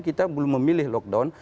kita belum memilih lockdown